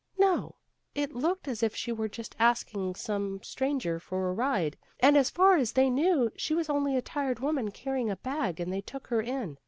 "No, it looked as if she were just asking some stranger for a ride. And as far as they knew she was only a tired woman carrying a bag and they took her in.